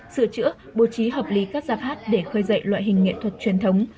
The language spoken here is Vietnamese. sửa chữa bố trí hợp lý các giả hát để khơi dậy loại hình nghệ thuật truyền thống